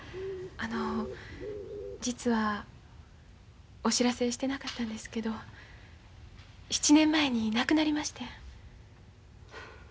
あの実はお知らせしてなかったんですけど７年前に亡くなりましてん。